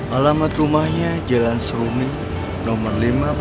alamat rumahnya jalan serumi nomor lima puluh